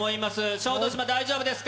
小豆島、大丈夫ですか？